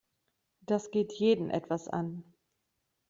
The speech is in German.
Das geht jeden etwas an.